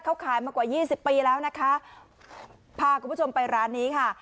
เขาขายมากว่ายี่สิบปีแล้วนะคะพาคุณผู้ชมไปร้านนี้ค่ะ